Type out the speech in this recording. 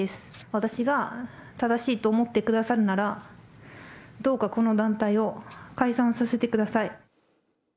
私が正しいと思ってくださるなら、どうかこの団体を解散させてください。